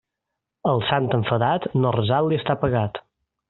Al sant enfadat, no resant-li està pagat.